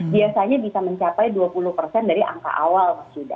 biasanya bisa mencapai dua puluh dari angka awal